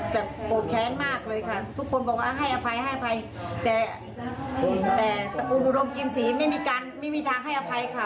แต่ตระกูลบุรมกรีมสีไม่มีทางให้อภัยค่ะ